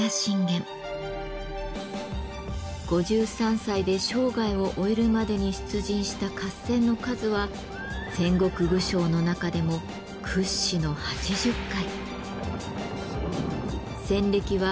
５３歳で生涯を終えるまでに出陣した合戦の数は戦国武将の中でも屈指の８０回。